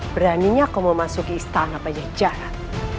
beraninya kau mau masuk ke istana banyak jarak